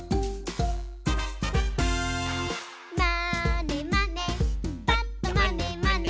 「まーねまねぱっとまねまね」